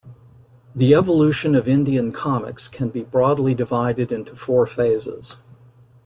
The evolution of Indian comics can be broadly divided into four phases.